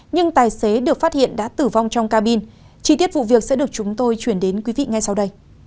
nhưng tài xế được phát hiện đã tử vong trong cabin chi tiết vụ việc sẽ được chúng tôi chuyển đến quý vị ngay sau đây